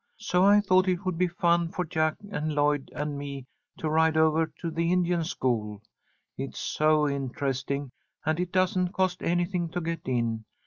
So I thought it would be fun for Jack and Lloyd and me to ride over to the Indian school. It's so interesting, and it doesn't cost anything to get in.